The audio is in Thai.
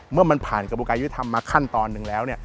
เมื่อมันผ่านกระบวนการยุทธรรมมาขั้นตอนหนึ่งแล้ว